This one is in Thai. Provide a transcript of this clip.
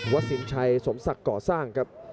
วัสสิงชัยสมศักดิ์เกาะสร้างครับ